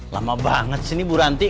lama banget sih ini bu rantik